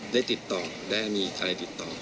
ได้ติดต่อได้มีใครติดต่อ